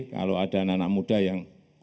kalau ada anak anak muda yang